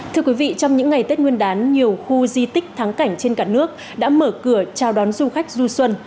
thưa quý vị trong những ngày tết nguyên đán nhiều khu di tích thắng cảnh trên cả nước đã mở cửa chào đón du khách du xuân